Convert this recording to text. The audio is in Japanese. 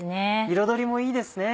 彩りもいいですね。